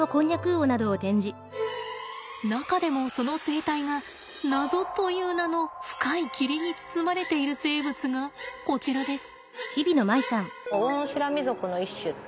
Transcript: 中でもその生態が謎という名の深い霧に包まれている生物がこちらです。